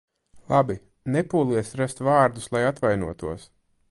Labi, nepūlies rast vārdus, lai atvainotos.